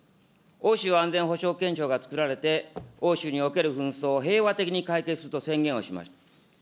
欧州安全保障憲章が作られて、欧州における紛争を平和的に解決すると宣言をしました。